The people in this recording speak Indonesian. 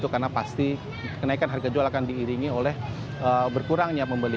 karena pasti kenaikan harga jual akan diiringi oleh berkurangnya pembeli